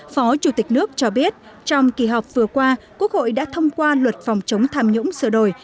phó chủ tịch nước cho biết trong kỳ họp vừa qua quốc hội đã thông qua luật phòng chống tham nhũng sửa đổi